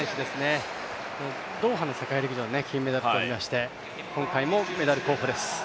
ドーハの世界陸上、金メダルをとりまして今回もメダル候補です。